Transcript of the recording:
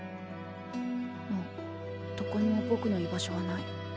もうどこにもぼくの居場所はない。